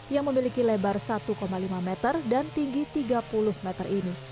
yang memiliki lebar satu lima meter dan tinggi tiga puluh meter ini